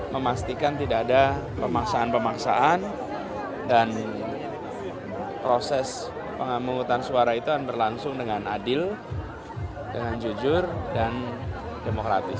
memastikan tidak ada pemaksaan pemaksaan dan proses pemungutan suara itu akan berlangsung dengan adil dengan jujur dan demokratis